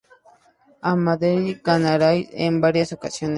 A Madeira y Canarias en varias ocasiones.